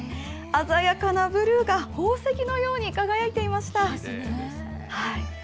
鮮やかなブルーが宝石のように輝いていました。